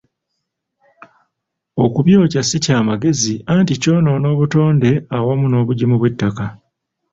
Okubyokya si kya magezi anti ky‘onoona obutonde awamu n'obugimu bw'ettaka.